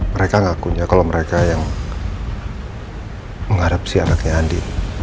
mereka ngakunya kalau mereka yang menghadapi anaknya andi